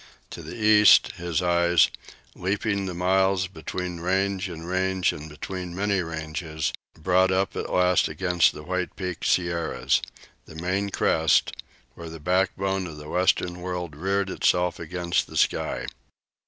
To the east his eyes, leaping the miles between range and range and between many ranges, brought up at last against the white peaked Sierras the main crest, where the backbone of the Western world reared itself against the sky.